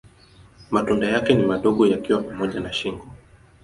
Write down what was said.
Matunda yake ni madogo yakiwa pamoja kwa shingo.